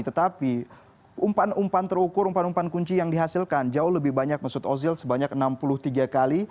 tetapi umpan umpan terukur umpan umpan kunci yang dihasilkan jauh lebih banyak maksud ozil sebanyak enam puluh tiga kali